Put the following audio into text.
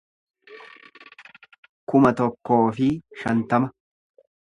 kuma tokkoo fi shantama